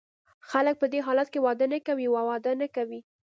خلګ په دې حالت کې واده نه کوي او واده نه کوي.